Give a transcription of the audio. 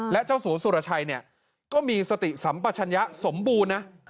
และเจ้าสวสุรชัยมีสติสัมประชัญญะสมบูรณ์